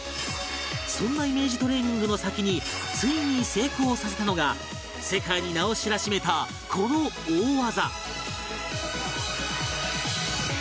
そんなイメージトレーニングの先についに成功させたのが世界に名を知らしめたこの大技